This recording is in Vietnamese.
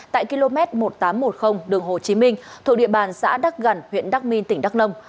tại km một nghìn tám trăm một mươi đường hồ chí minh thuộc địa bàn xã đắc gền huyện đắc minh tỉnh đắk nông